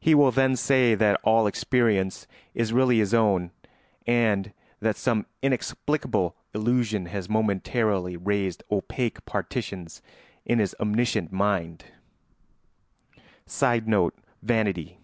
He will then say that all experience is really his own and that some inexplicable illusion has momentarily raised opaque partitions in his omniscient mind. [Sidenote: Vanity.